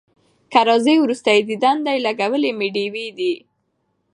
که راځې وروستی دیدن دی لګولي مي ډېوې دي